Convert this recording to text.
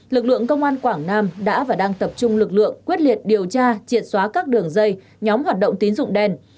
lực lượng công an quảng nam đã và đang tập trung lực lượng quyết liệt điều tra triệt xóa các đường dây nhóm hoạt động tín dụng đen